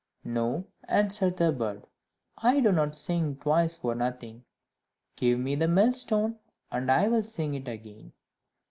"No," answered the bird, "I do not sing twice for nothing; give me the millstone, and I will sing it again."